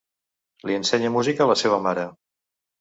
Li ensenya música la seva mare.